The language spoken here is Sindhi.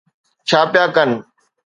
ڇا پيا ڪن.